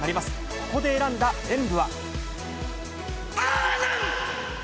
ここで選んだ演武は。